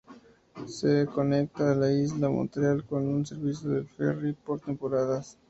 Se conecta a la isla de Montreal con un servicio de ferry por temporadas.